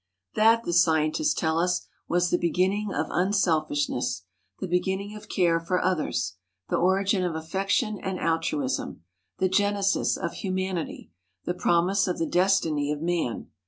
That, the scientists tell us, was the beginning of unselfishness, the beginning of care for others, the origin of affection and altruism, the genesis of humanity, the promise of the destiny of man.